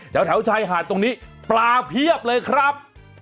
แถวชายหาดตรงนี้ปลาเพียบเลยครับ